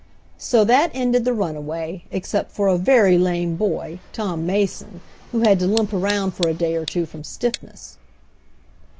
So that ended the runaway, except for a very lame boy, Tom Mason, who had to limp around for a day or two from stiffness.